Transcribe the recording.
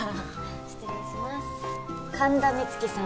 失礼します神田光喜さん